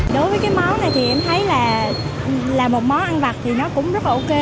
đối với cái món này thì em thấy là một món ăn vặt thì nó cũng rất là ok